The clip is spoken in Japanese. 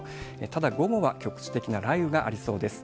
ただ、午後は局地的な雷雨がありそうです。